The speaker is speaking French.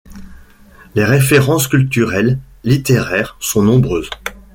Les références culturelles, littéraires sont nombreuses.